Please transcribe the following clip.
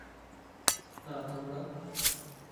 না, তোমরা!